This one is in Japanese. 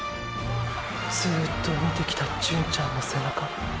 ずうっと見てきた純ちゃんの背中。